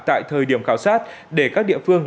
tại thời điểm khảo sát để các địa phương